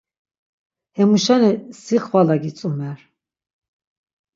Hemu şeni si xvala gitzumer.